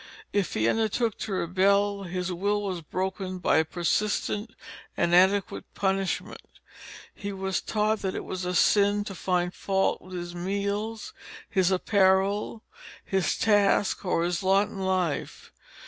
If he undertook to rebel his will was broken by persistent and adequate punishment. He was taught that it was a sin to find fault with his meals, his apparel, his tasks or his lot in life.